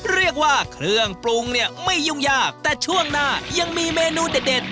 เรียกว่าเครื่องปรุงเนี่ยไม่ยุ่งยากแต่ช่วงหน้ายังมีเมนูเด็ด